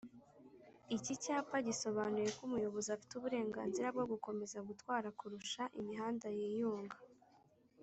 Iki cyapa gisobanuyeko umuyobozi afite uburenganzira bwo gukomeza gutwara kurusha imihanda yiyunga